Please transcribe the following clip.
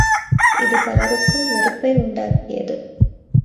இது பலருக்கும் வெறுப்பை உண்டாக்கியது.